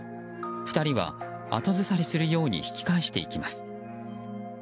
２人は後ずさりするように引き返していきます。